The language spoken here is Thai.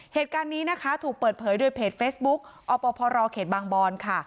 เหตุการณ์นี้นะคะถูกเปิดเผยโดยเพจเฟซบุ๊กอปพรเขตบางบอนค่ะ